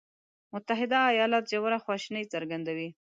متحده ایالات ژوره خواشیني څرګندوي.